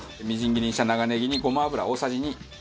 みじん切りにした長ネギにごま油大さじ２。